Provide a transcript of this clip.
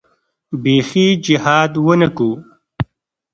بيخي جهاد ونه کو.